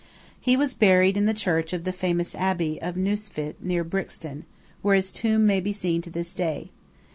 He was buried in the church of the famous Abbey of Neustift near Brixen, where his tomb may be seen to this day.